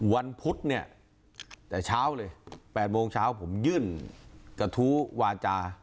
วันพุธเนี่ยแต่เช้าเลย๘โมงเช้าผมยื่นกระทู้วาจา